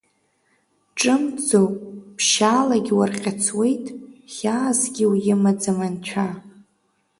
Ҿымҭӡо ԥшьаалагь уарҟьыцуеит, хьаасгьы уимаӡам Анцәа!